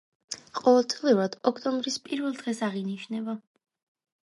ყოველწლიურად ოქტომბრის პირველ დღეს აღინიშნება.